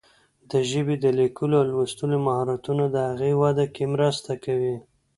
د ژبې د لیکلو او لوستلو مهارتونه د هغې وده کې مرسته کوي.